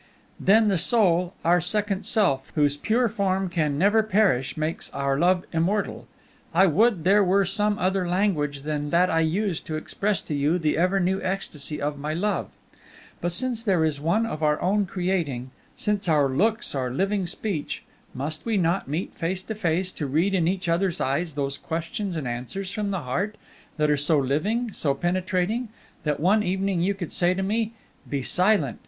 Then, the soul, our second self, whose pure form can never perish, makes our love immortal. I would there were some other language than that I use to express to you the ever new ecstasy of my love; but since there is one of our own creating, since our looks are living speech, must we not meet face to face to read in each other's eyes those questions and answers from the heart, that are so living, so penetrating, that one evening you could say to me, 'Be silent!'